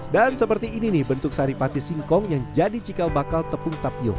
dan seperti ini bentuk sari pati singkong yang jadi cikal bakal tepung tapioca